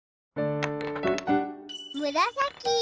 むらさき。